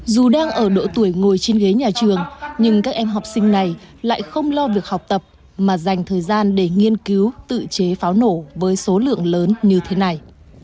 dù đang ở độ tuổi ngồi trên ghế nhà trường nhưng các em học sinh này lại không lo việc học tập mà dành thời gian để nghiên cứu tự chế pháo nổ với số lượng lớn như thế này